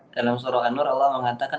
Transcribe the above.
dalam suara an nur allah mengatakan